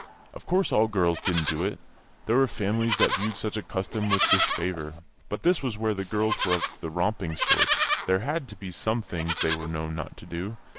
Of course all girls didn't do it; there were families that viewed such a custom with disfavour. But this was where the girls were of the romping sort; there had to be some things they were known not to do.